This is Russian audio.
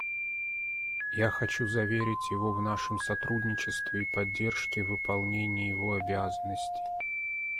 Я хочу заверить его в нашем сотрудничестве и поддержке в выполнении его обязанностей.